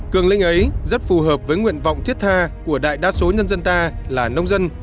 cường linh ấy rất phù hợp với nguyện vọng thiết tha của đại đa số nhân dân ta là nông dân